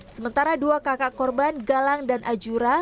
sementara dua kakak korban galang dan ajura